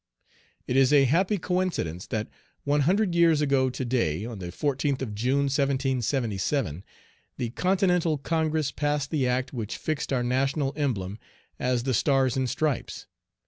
It is a happy coincidence that one hundred years ago to day, on the 14th of June, 1777, the Continental Congress passed the act which fixed our national emblem as the stars and stripes.